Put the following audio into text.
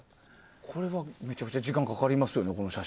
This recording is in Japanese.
これはめちゃくちゃ時間はかかりますよね。